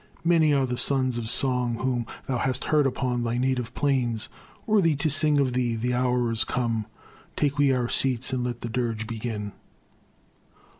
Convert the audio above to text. Many are the sons of song Whom thou hast heard upon thy native plains Worthy to sing of thee: the hour is come; Take we our seats and let the dirge begin.